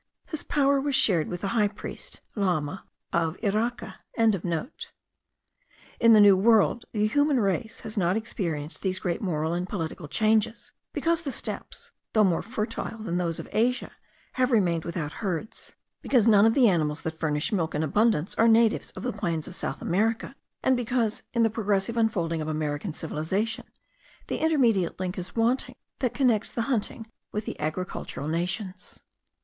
His power was shared with the high priest (lama) of Iraca.) In the New World the human race has not experienced these great moral and political changes, because the steppes, though more fertile than those of Asia, have remained without herds; because none of the animals that furnish milk in abundance are natives of the plains of South America; and because, in the progressive unfolding of American civilization, the intermediate link is wanting that connects the hunting with the agricultural nations.